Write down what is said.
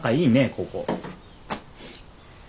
ここ。